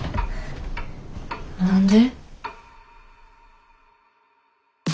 何で？